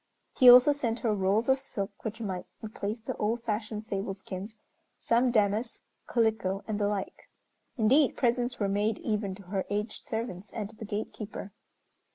He also sent her rolls of silk, which might replace the old fashioned sable skins, some damask, calico and the like. Indeed, presents were made even to her aged servants and to the gatekeeper.